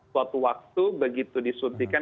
suatu waktu begitu disuntikan